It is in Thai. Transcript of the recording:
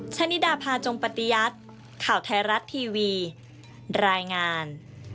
ชะนิดาพาจงปฏิยัติข่าวไทยรัฐทีวีรายงาน